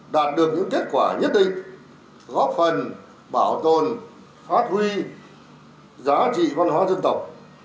đạt được những kết quả nhất định góp phần bảo tồn phát huy giá trị văn hóa dân tộc